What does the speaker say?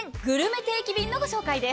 定期便のご紹介です。